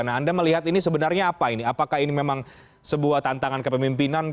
nah anda melihat ini sebenarnya apa ini apakah ini memang sebuah tantangan kepemimpinan